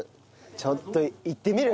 ちょっといってみる？